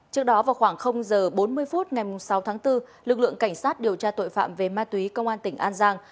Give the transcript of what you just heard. trước đó vào khoảng h bốn mươi phút ngày sáu tháng bốn lực lượng cảnh sát điều tra tội phạm về ma túy công an tỉnh an giang